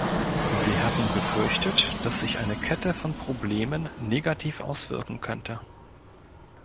Sie hatten befürchtet, dass sich eine Kette von Problemen negativ auswirken könnte.